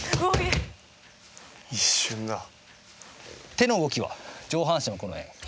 手の動きは上半身はこの円。